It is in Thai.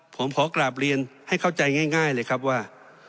ผมขอกราบเรียนให้เข้าใจง่ายเลยครับว่า